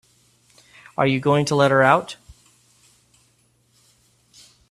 Are you going to let her out?